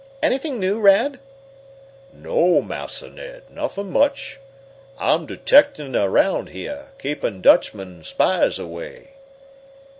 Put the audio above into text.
Anything new, Rad?" "No, Massa Ned, nuffin much. I'm detectin' around heah; keepin' Dutchmen spies away!"